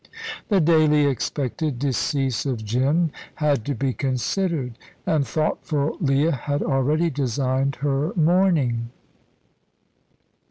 The daily expected decease of Jim had to be considered, and thoughtful Leah had already designed her mourning.